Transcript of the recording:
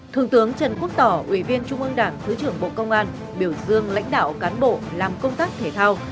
thượng tướng trần quốc tỏ ủy viên trung ương đảng thứ trưởng bộ công an biểu dương lãnh đạo cán bộ làm công tác thể thao